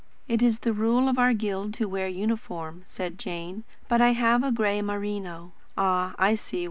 "It is the rule of our guild to wear uniform," said Jane; "but I have a grey merino." "Ah, I see.